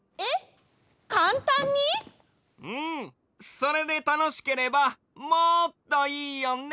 それでたのしければもっといいよね！